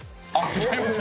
違います。